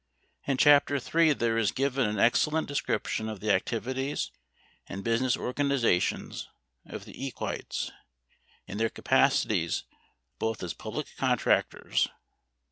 In chapter III there is given an excellent description of the activities and business organizations of the Equites in their capacities both as public contractors (pp.